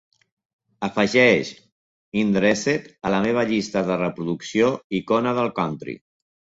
Afegeix "Undressed" a la meva llista de reproducció "Icona del country".